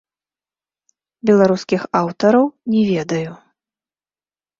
Беларускіх аўтараў не ведаю.